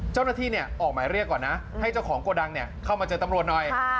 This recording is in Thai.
เจ้าหน้าที่ออกหมายเรียกก่อนนะให้เจ้าของโกดังเข้ามาเจอตำรวจหน่อย